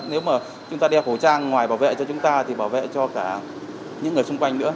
nếu mà chúng ta đeo khẩu trang ngoài bảo vệ cho chúng ta thì bảo vệ cho cả những người xung quanh nữa